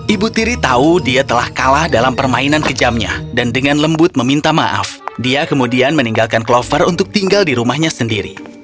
ibu tiri tahu dia telah kalah dalam permainan kejamnya dan dengan lembut meminta maaf dia kemudian meninggalkan clover untuk tinggal di rumahnya sendiri